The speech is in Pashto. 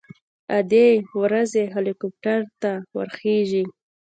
ادې ورځي هليكاپټر ته ورخېژي.